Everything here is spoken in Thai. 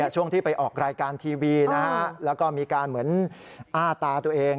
ช่วงที่ไปออกรายการทีวีแล้วก็มีการเหมือนอ้าตาตัวเอง